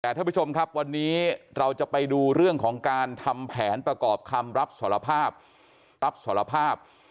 แต่ท่านผู้ชมครับวันนี้เราจะไปดูเรื่องของการทำแผนประกอบคำรับสารภาพรับสารภาพ